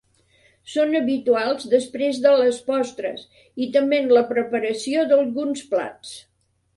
Són habituals després de les postres, i també en la preparació d'alguns plats.